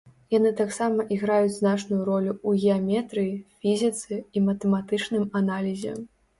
Яны таксама іграюць значную ролю ў геаметрыі, фізіцы і матэматычным аналізе.